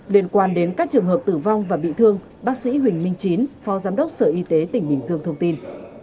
liên quan đến các trường hợp tử vong và bị thương bác sĩ huỳnh minh chính phó giám đốc sở y tế tỉnh bình dương thông tin